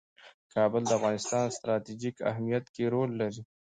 کابل د افغانستان په ستراتیژیک اهمیت کې رول لري.